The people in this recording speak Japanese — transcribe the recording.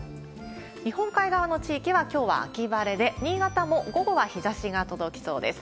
日本海側の地域がきょうは秋晴れで、新潟も午後は日ざしが届きそうです。